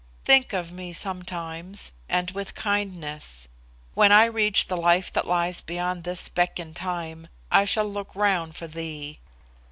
Think of me sometimes, and with kindness. When I reach the life that lies beyond this speck in time, I shall look round for thee.